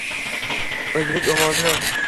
O’zbek ovozini